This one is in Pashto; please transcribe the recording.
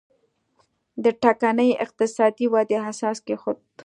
د ټکنۍ اقتصادي ودې اساس کېښود.